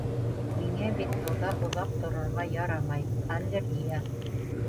Миңә бит һыуҙа оҙаҡ торорға ярамай, аллергия.